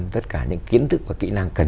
tất cả những kiến thức và kỹ năng cần